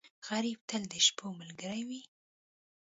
غریب تل د شپو ملګری وي